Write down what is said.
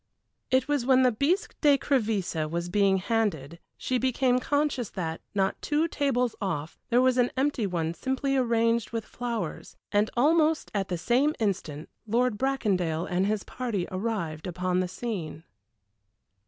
It was when the bisque d'écrevisses was being handed she became conscious that, not two tables off, there was an empty one simply arranged with flowers, and almost at the same instant Lord Bracondale and his party arrived upon the scene.